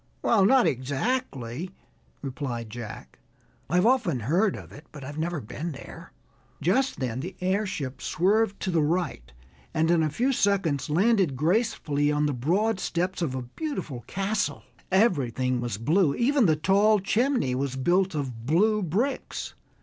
"Well, not exactly," replied Jack. "I've often heard of it, but I've never been there." Just then the airship swerved to the right and in a few seconds landed gracefully on the broad steps of a beautiful castle. Everything was blue, even the tall chimney was built of blue bricks.